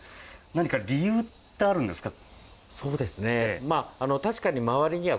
何か理由ってあるんですか？